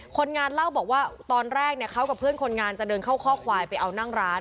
คนงานเล่าบอกว่าตอนแรกเนี่ยเขากับเพื่อนคนงานจะเดินเข้าข้อควายไปเอานั่งร้าน